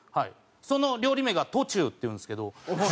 その料理名がトチューっていうんですけど。